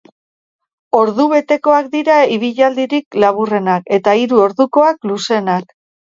Ordu betekoak dira ibilaldirik laburrenak eta hiru ordukoak luzeenak.